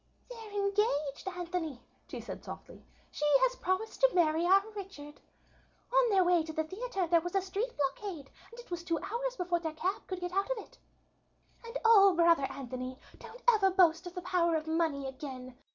"They're engaged, Anthony," she said, softly. "She has promised to marry our Richard. On their way to the theatre there was a street blockade, and it was two hours before their cab could get out of it. "And oh, brother Anthony, don't ever boast of the power of money again.